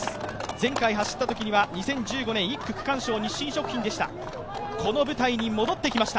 前回走ったときには２０１５年１区区間賞、日清食品でした、この舞台に戻ってきました。